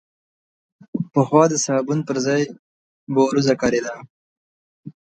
پخوا د صابون پر ځای بوروزه کارېده.